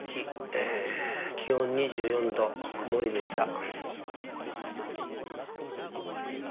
ええ気温２４℃曇りでした。